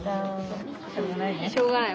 しょうがないね。